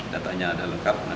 datanya ada lengkap